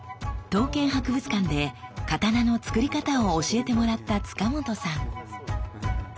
刀剣博物館で刀のつくり方を教えてもらった塚本さん。